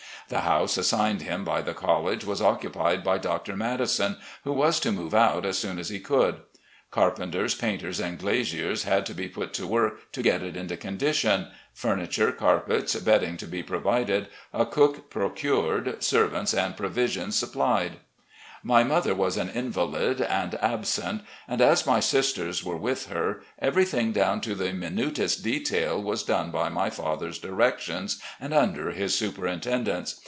The house assigned him by the college was occupied by Dr. Madison, who was to move out as soon as he could. Carpenters, painters and glaziers had to be put to work to get it into condition; furniture, carpets, bedding to be provided, a cook procured, servants and provisions supplied. My mother was an invalid and absent, and as my sisters were with her, everything down to the minutest detail was done by my father's directions and under his superintendence.